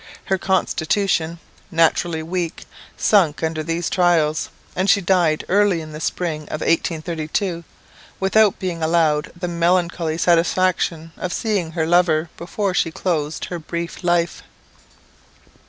Her constitution, naturally weak, sunk under these trials, and she died early in the spring of 1832, without being allowed the melancholy satisfaction of seeing her lover before she closed her brief life.